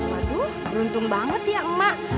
waduh beruntung banget ya emak